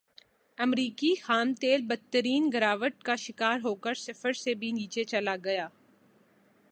امریکی خام تیل بدترین گراوٹ کا شکار ہوکر صفر سے بھی نیچے چلا گیا